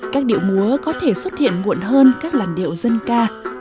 các điệu múa có thể xuất hiện mỗi ngày nhưng đồng bào tày có thể xuất hiện mỗi ngày